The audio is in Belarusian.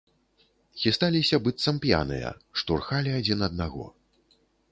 Хісталіся, быццам п'яныя, штурхалі адзін аднаго.